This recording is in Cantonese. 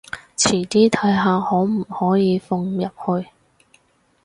遲啲睇下可唔可以放入去